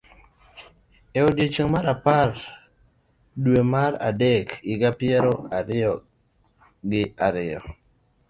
E odiechieng' mar apar gachiel, dwe mar adek, higa mar piero ariyo gi ariyo,